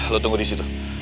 lo tunggu disitu